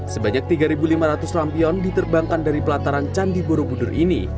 sebanyak tiga lima ratus lampion diterbangkan dari pelataran candi borobudur ini